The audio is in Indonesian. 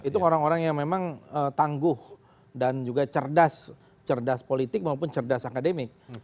itu orang orang yang memang tangguh dan juga cerdas cerdas politik maupun cerdas akademik